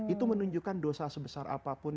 itu menunjukkan dosa sebesar apapun